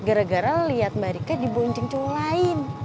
gara gara liat mbak rika dibonceng cowok lain